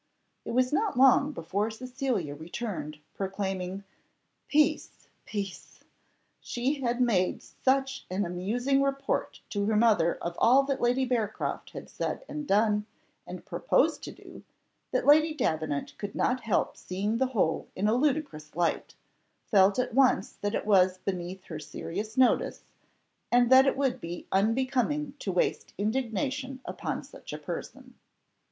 It was not long before Cecilia returned, proclaiming, "Peace, peace!" She had made such an amusing report to her mother of all that Lady Bearcroft had said and done, and purposed to do, that Lady Davenant could not help seeing the whole in a ludicrous light, felt at once that it was beneath her serious notice, and that it would be unbecoming to waste indignation upon such a person.